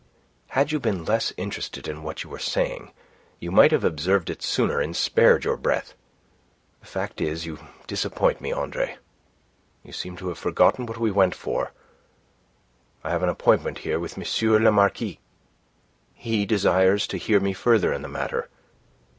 "Had you been less interested in what you were saying, you might have observed it sooner and spared your breath. The fact is, you disappoint me, Andre. You seem to have forgotten what we went for. I have an appointment here with M. le Marquis. He desires to hear me further in the matter.